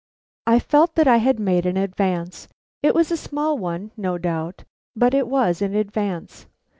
I felt that I had made an advance. It was a small one, no doubt, but it was an advance.